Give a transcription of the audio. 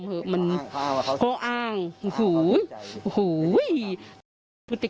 แห่งมือ